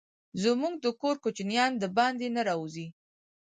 زموږ د کور کوچينان دباندي نه راوزي.